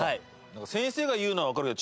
先生が言うのはわかるけど。